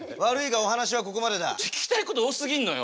聞きたいこと多すぎんのよ。